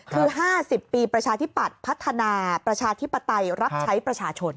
คือ๕๐ปีประชาธิปัตย์พัฒนาประชาธิปไตยรับใช้ประชาชน